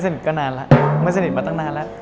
เพราะไม่สนิทมาตั้งนานแล้ว